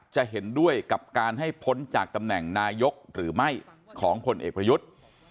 จะเห็นด้วยกับการให้พ้นจากตำแหน่งนายกหรือไม่ของผลเอกประยุทธ์